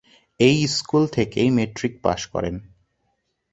এই স্কুল থেকেই matric pass করেন।